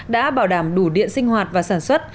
đã bảo đảm đủ điện sinh hoạt và sản xuất